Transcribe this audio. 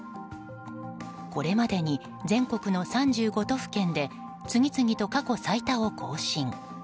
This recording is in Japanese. これまでに全国の３５都府県で次々と過去最多を更新。